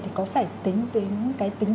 thì có phải tính đến cái tính